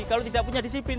kalau tidak punya disiplin